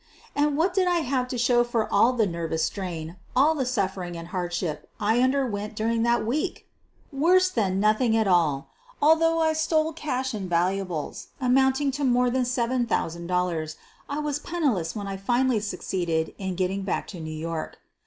And what did I have to show for all the nervous strain, all the suffering and hardship I underwent during that week? Worse than nothing at all. Al though I stole cash and valuables amounting to more than seven thousand dollars, I was penniless when I finally succeeded in getting back to New York.